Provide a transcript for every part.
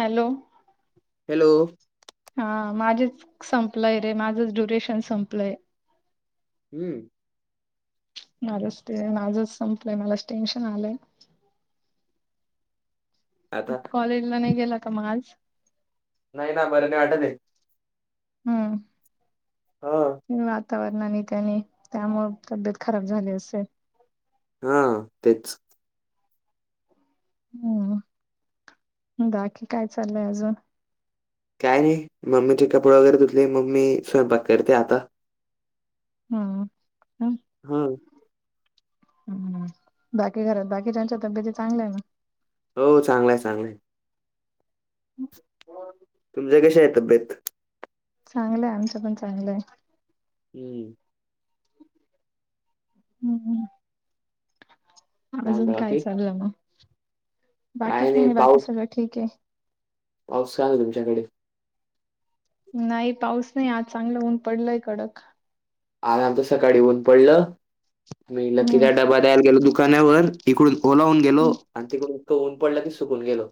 Hello hello हा माझेच संपलंय रे माझंच ड्युरेशन संपलंय. हम्म माझच ते आजच संपलंय मलाच टेन्शन आलंय. आता कॉलेजला नाही गेला का मग आज? नाही ना बर नाही वाटतंय. हा हम्म वातावरणाने त्याने त्यामुळे तब्येत खराब झाली असेल. हा तेच. हम्म बाकी काय चाललंय अजून. काय नाही मम्मीचे कपडे वगैरे धुतले मम्मी स्वयंपाक करते आता. हम्म हं. हम्म हम्म. बाकी घरात बाकीच्यांच्या तब्येती चांगल्या आहे ना. हो चांगल आहे चांगल आहे. [unintelligible] तुमच्या कशा आहे तब्येत. चांगलं आहे आमचं पण चांगलं आहे. हम्म हम्म हम्म अजून म्हणता काय बाकी चालू आहे मग. बाकी काय काही नाही बाकी पाऊस सगळं ठीक आहे. पाऊस आहे ना तुमच्याकडे. नाही पाऊस नाही आज चांगलं ऊन पडलंय कडक. आज आमच्यात सकाळी ऊन पडलं आणि लकी हम्म काय डबा डायरेक्ट गेलो दुकानावर इकडून ओला होऊन गेलो आणि तिकडून परत ऊन पडलं की सुकून गेलो.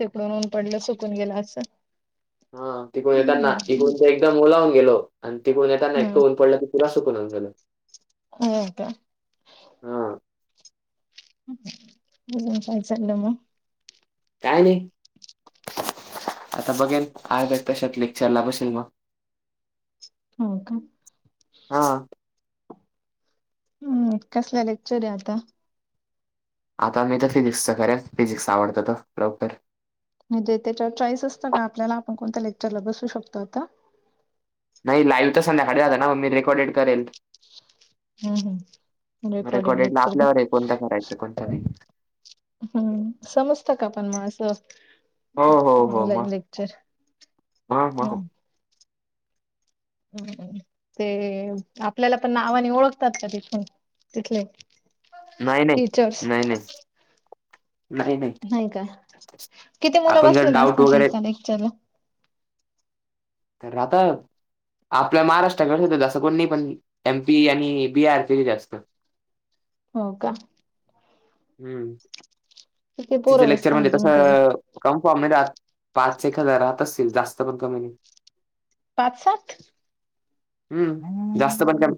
तिकडून ऊन पडलं सुकून गेला असल. हा तिकडुन येताना [unintelligible] ते एकदम ओला होऊन गेलो. आणि तिकडून येताना इतकं ऊन पडलं की पुरा सुकूनचं गेलो. हो का? हा अजून काय चाल्लंय मग? काय नाही आता बघेन आहे तशेच लेक्चरला बसेन मग. हो का. हा हम्म मग कसल लेक्चर आहे आता. आता मी तर फिजिक्सचं करेन फिजिक्स आवडतं तर प्रॉपर. म्हणजे त्याच्यावर चॉईस असतं का आपल्याला आपण कोणत्या लेक्चरला बसू शकतोय आता? नाही लाईव्ह तर संध्याकाळी आहे ना मी रेकॉर्डेड करेल. हम्म हम्म. म रेकॉर्डेड रेकॉर्डेडला लेक्चर का? आपल्यावर आहे कोणता करायचा कोणता नाही. हम्म समजत का पण मग असं हो हो हो मग ऑनलाईन लेक्चर? [unintelligible] हम्म [inaudible] हम्म. ते आपल्याला पण नावाने ओळखतात का तिथून तिथले? नाही नाही टीचर्स नाही नाही. नाही का किती मुलं आपण जर बसलेले डाऊट असतात वगैरे एका लेक्चरला? [inaudible] तर आता आपल्या महाराष्ट्राकडील इथं जास्त कोण नाही पण एमपी आणि बीआर चे जास्त हो का? हम्म. किती तिच पोरं लेक्चर बसता म्हणजे मग तुम्ही तरी? कसं कम फॉर्म नाही पाच एक हजार राहत असतील जास्त पण कमी नाही. पाच सात. हम्म जास्त पण कमी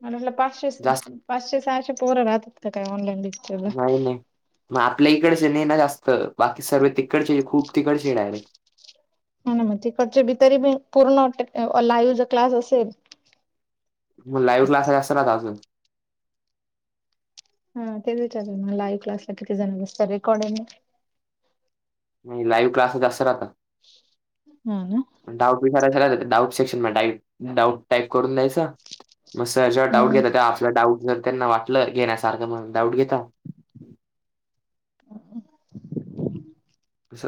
म्या म्हणलं पाचशेच जास्त पाचशे सहाशे पोर राहत्यात का काय ऑनलाईन. लेक्चरला. नाही नाही मग आपल्या इकडच नाही ना जास्त बाकी सर्व तिकडचे खूप तिकडचे डायरेक्ट. ह मग तिकडचे भी तरी बी पूर्ण लाईव्ह ज क्लास असेल. मग लाईव्ह क्लास आहे असतात ना अजून. हा ते विचार ना लाईव्ह क्लास ला किती जण बसतात रेकॉर्डिंग. नाही लाईव्ह क्लास जास्त राहता. हा ना, डाऊट विचारयच डाऊट सेक्शन म डा डाऊट टाईप करून द्यायचं. मग सर ज्यावर डाऊट हम्म घेता तेव आपला डाऊट जर त्यांना वाटलं घेण्यासारखं मग डाऊट घेता. स,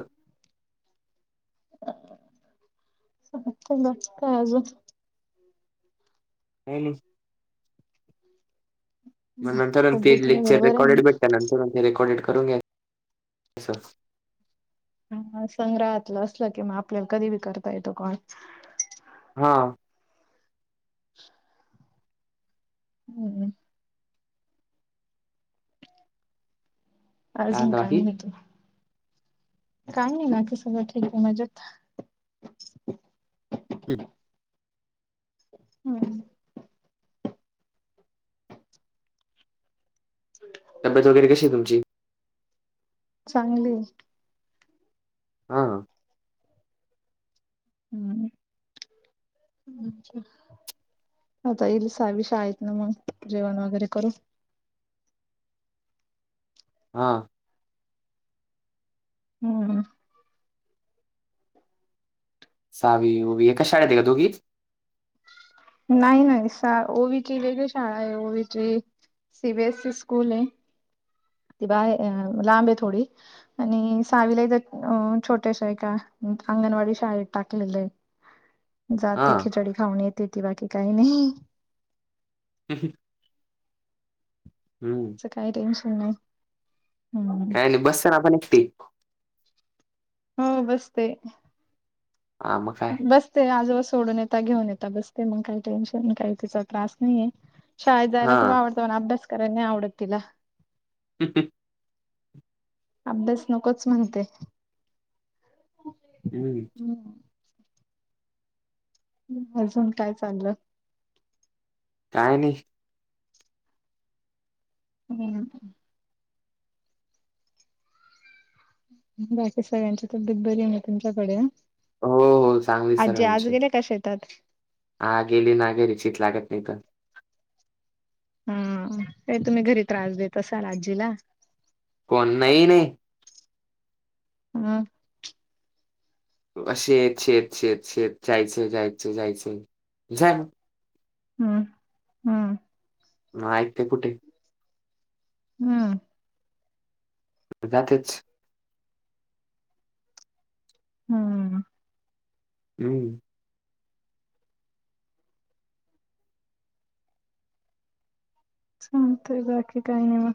स नस् काज [unintelligible] नेले. मग नंतर ते तब्येती वगैरे लेक्चर बऱ्या रेकॉर्डेड आहेत भेटत नंतर ते रेकॉर्डेड करून घ्या असंच. हा संग्रहातलं असलं की मग आपल्याला कधी बी करता येतो कॉल. हा, हम्म, अजून म्हणता बाकी? काय तू काय नाही ना कि सगळं ठीक आहे मज्याेत. पिप, होय, ह [unintelligible] तब्येत वगैरे कशी आहे तमची. चांगली हाय. हा आ, हम्म्च्छा. आता इल सावी शाळेतून मग जेवण वगैरे करु. हा, हम्. [inaudible] सावी ओवी एकाच शाळेत आहे का दोघीच. नाही नाही सा ओवीचे वेगळी शाळा आहे ओवीची सी बीएस ई स्कूल आहे. ती बाहे अ लांब आहे थोडी. आणि सावीलाही ह्याच्यात छोट्या स्या एका अंगणवाडी शाळेत टाकलेलं आहे. जाते हां. खिचडी खाऊन येते ती बाकी काही नाही. अ ''हं '' हम्म, काय टेन्शन नाही. हम्म. काय नाही [unintelligible] बसतात. हो बसते. हा मग. काय बसते आजोबा सोडून येता घेऊन येेतता बसते मग काही टेन्शन काही तिचा त्रास नाहीये. शाळेत जायला हा खूप आवडतं पण अभ्यास करायला नाही आवडत तिला. ''हं'' हं'' अभ्यास नकोच म्हणते. हम्म, ''हं '' अजून काय चाललं? काय नाही. हम्म. बाकी सगळ्यांची तब्येत बरी आहे ना, तुमच्याकडे? हो हो चांगली आजी, आज सर्वांची गेल्या का शेतात? हा, गेली ना गं र, चित लागत नाही इथं. हम्म्, काय तुम्ही घरी त्रास देत असाल आजीला. कोण, नाही नाही. हम्म्. शेत.. शेत.. शेत.. शेत.. जायचं.. जायचं.. जायचंय झालं! हम्म. मग ऐकते कुठे? हम्म. जातेच. हम्म. हम्म. चालतंय, बाकी काय नाही मग.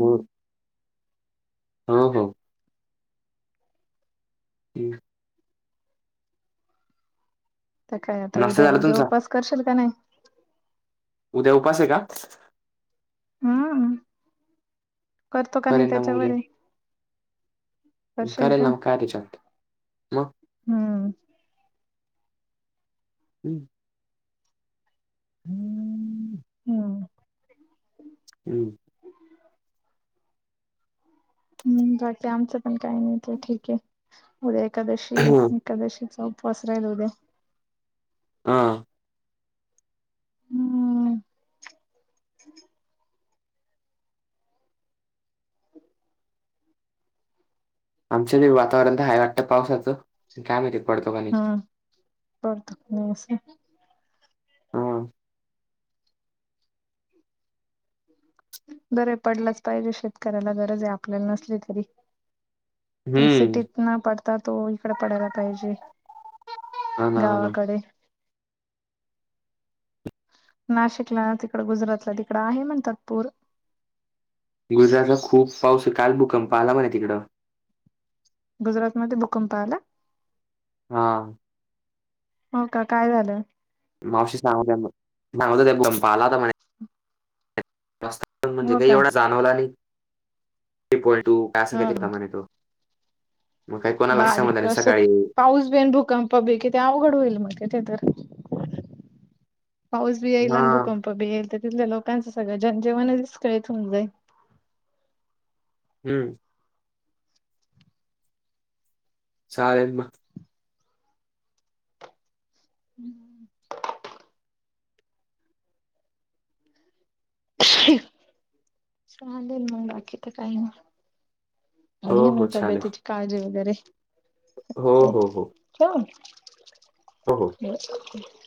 हो‌. हो हो. हम्. तर काय आता? नाश्ता उद्या, झाला उद्या तुमचा उपास करशील का नाही. उद्या उपास आहे का? हम्, करतो का नाही करेन ना मग उद्या त्याच्यावर आहे. करशील करेल ना मग, काय तेच्यात. मग. हम्म. हं. हम्म. हम्म. हम्म. हम्म्, बाकी आमच्यात पण काही नाही, ते ठीक आहे. उद्या एकादशी‌ आहे, एकादशीचा उपवास राहील उद्या. आ. हम्म. आमच्यात बी वातावरण तर हाय वाटतं, पावसाचं. काय माहिती, पडतो का नाही. पडतो की नाही असं. हा. बरेय पडलाच पाहिजे. शेतकऱ्याला गरज आहे, आपल्याला नसली तरी. पण हम्म. सिटीत ना पडता, तो इकडे पडायला पाहिजे. हा ना हा ना गावाकडे. नाशिकला तिकडं, गुजरातला तिकडं आहे म्हणतात पोरं. गुजरातला खूप पाऊस आहे. काल भूकंप आला म्हणे तिकडं. गुजरात मध्ये भूकंप आला? हा. हो का, काय झालं? मावशी सांगत होती, [unintelligible] सांगत होत्या भुकंप आला होता म्हणे. त्रास तर म्हणजे हो काही का एवढा जाणवला नाही, इक्वल टू काय असं काय ते हम प्रमाण येतो. बारीक असे, सकाळी पाऊस बीन भूकंप पबलीिकथ अवघड होईल मग तिथे तर पाऊस बी येईल हा आणि भूकंप बील तर तिथल्या लोकांचंगळं जनजीवन, दिस्कळी होन जाईल हम्म्मः! ! साहेबभ! ! हम्म [inaudible] चालेल मग बाकी, तर काही ना? अ हो मी हो चालेल तब्यतीची काळजी वगैरे हो ते हो हो च! ! हो हो! ! ह [inaudible] [unintelligible] [inaudible]